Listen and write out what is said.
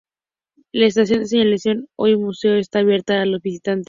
La estación de señalización, hoy un museo, está abierta a los visitantes.